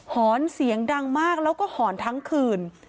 หอนเสียงดังมากแล้วก็หอนทั้งคืน